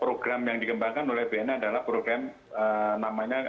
program yang dikembangkan oleh bnn adalah program namanya